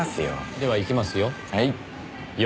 ではいきますよ。